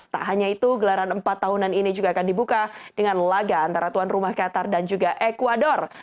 tak hanya itu gelaran empat tahunan ini juga akan dibuka dengan laga antara tuan rumah qatar dan juga ecuador